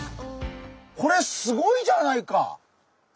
これすごいじゃないか。